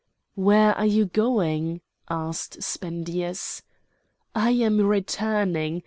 "Where are you going?" asked Spendius. "I am returning!